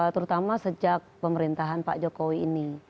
terutama sejak pemerintahan pak jokowi ini